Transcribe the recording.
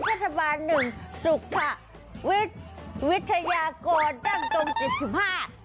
วิทยาศาบาลหนึ่งสุขวิทยาโกรณ์ตั้งตรงสิบสิบห้า